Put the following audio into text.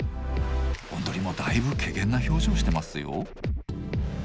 おんどりもだいぶけげんな表情してますよ。